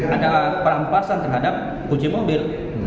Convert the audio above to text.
ada perampasan terhadap kuci mobil